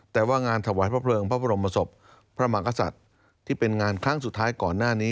แต่ว่างานถวายพระเพลิงพระบรมศพพระมากษัตริย์ที่เป็นงานครั้งสุดท้ายก่อนหน้านี้